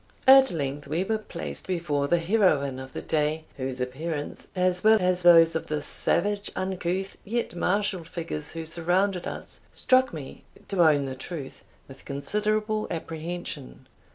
At length we were placed before the heroine of the day, whose appearance, as well as those of the savage, uncouth, yet martial figures who surrounded us, struck me, to own the truth, with considerable apprehension.